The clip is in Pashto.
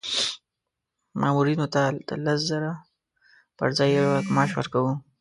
مامورینو ته د لس زره پر ځای یو لک معاش ورکوو.